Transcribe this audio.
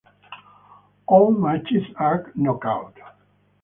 All matches are knockout.